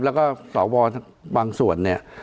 แล้วก็สวบางส่วนเนี่ย